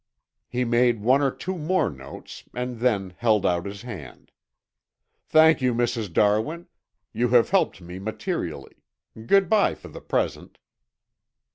He made one or two more notes and then held out his hand. "Thank you, Mrs. Darwin. You have helped me materially. Good by for the present."